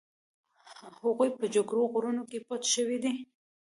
هغوی په جګو غرونو کې پټ شوي دي.